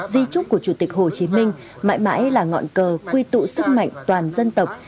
di trúc của chủ tịch hồ chí minh mãi mãi là ngọn cờ quy tụ sức mạnh toàn dân tộc